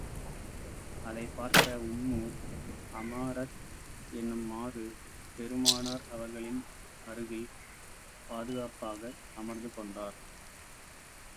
அதைப் பார்த்த உம்மு அமாரத் என்னும் மாது, பெருமானார் அவர்களின் அருகில் பாதுகாப்பாக அமர்ந்து கொண்டார்.